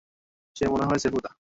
সে মনে হয় সেফুদা।